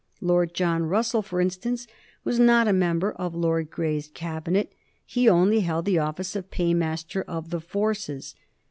Lord John Russell, for instance, was not a member of Lord Grey's Cabinet; he only held the office of Paymaster of the Forces.